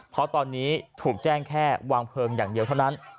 เพราะตอนนี้ถูกแจ้งแค่วางเพลิงอย่างเดียวเท่านั้น